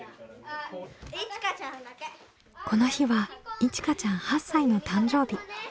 この日はいちかちゃん８歳の誕生日。